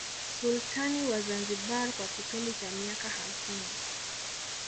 Sultani wa Zanzibar kwa kipindi cha miaka hamsini